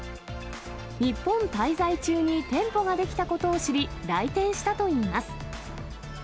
日本滞在中に店舗が出来たことを知り、来店したといいます。